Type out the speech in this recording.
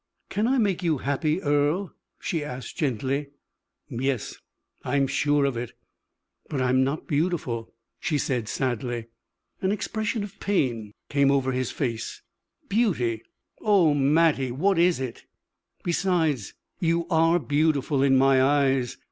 "Can I make you happy, Earle?" she asked, gently. "Yes, I am sure of it." "But I am not beautiful," she said, sadly. An expression of pain came over his face. "Beauty! Oh, Mattie, what is it? Besides, you are beautiful in my eyes.